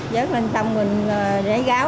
dớt lên xong mình để ráo